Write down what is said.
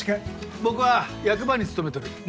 僕は役場に勤めとる森野洋輔。